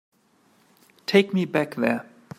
Take me back there.